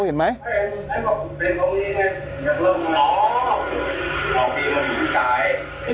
เนี่ยหันมา